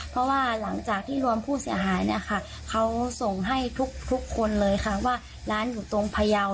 เพราะว่าหลังจากที่รวมผู้เสียหายเนี่ยค่ะเขาส่งให้ทุกคนเลยค่ะว่าร้านอยู่ตรงพยาว